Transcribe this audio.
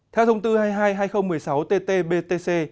theo thông tư hai mươi hai hai nghìn một mươi sáu tt btc